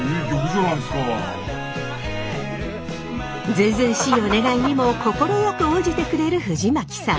ずうずうしいお願いにも快く応じてくれる藤巻さん。